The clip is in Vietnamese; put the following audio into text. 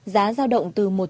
giá giao động từ một triệu đồng